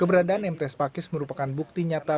keberadaan mts pakis merupakan bukti nyata